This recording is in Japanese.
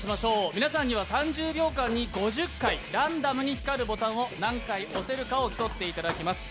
皆さんには３０秒間に５０回ランダムに光るボタンを何回押せるかを競っていただきます。